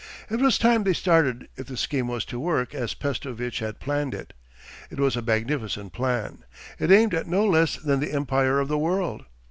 It was time they started if the scheme was to work as Pestovitch had planned it. It was a magnificent plan. It aimed at no less than the Empire of the World.